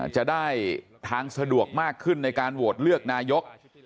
จะได้ทางสะดวกมากขึ้นในการโหวตเลือกนายก